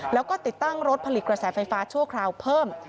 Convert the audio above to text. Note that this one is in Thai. แล้วก็ติดตั้งรถผลิตกระแสไฟฟ้าชั่วคราวเพิ่ม